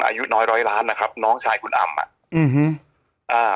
อายุน้อยโบสถ์ร้านน้องชายคุณอำ